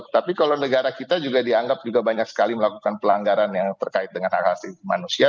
tapi kalau negara kita juga dianggap juga banyak sekali melakukan pelanggaran yang terkait dengan hak asasi manusia